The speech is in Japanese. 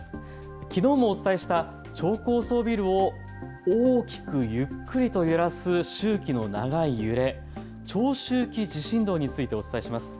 きのうもお伝えした超高層ビルを大きくゆっくりと揺らす周期の長い揺れ、長周期地震動についてお伝えします。